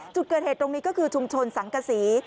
จุดเกิดเหตุตรงนี้ก็คือชุมชนสังกษี